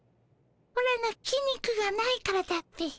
オラの筋肉がないからだっピ。